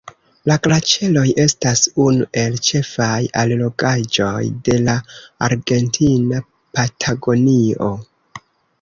La glaĉeroj estas unu el ĉefaj allogaĵoj de la Argentina Patagonio.